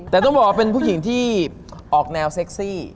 แต่ต้องบอกว่าเป็นผู้หญิงที่ออกแนวเซ็กซี่